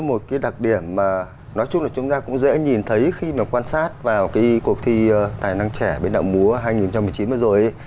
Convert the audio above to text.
một cái đặc điểm mà nói chung là chúng ta cũng dễ nhìn thấy khi mà quan sát vào cái cuộc thi tài năng trẻ biên đạo múa hai nghìn một mươi chín vừa rồi